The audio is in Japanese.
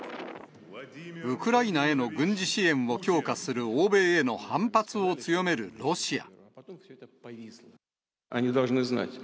ウクライナへの軍事支援を強化する欧米への反発を強めるロシア。